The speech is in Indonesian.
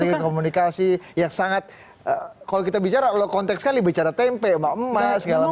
strategi komunikasi yang sangat kalau kita bicara konteks sekali bicara tempe emas segala macam